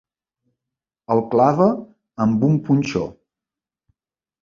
El clava amb un punxó.